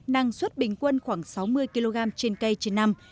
năng suất bình quân khoảng sáu mươi kg trên cây trên năm